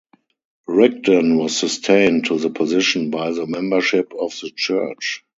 Rigdon was sustained to the position by the membership of the church.